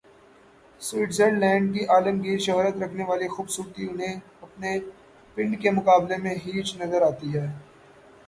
Switzer land کی عالمگیر شہرت رکھنے والی خوب صورتی انہیں اپنے "پنڈ" کے مقابلے میں ہیچ نظر آتی ہے۔